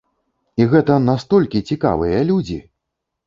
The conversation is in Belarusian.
І гэта настолькі цікавыя людзі!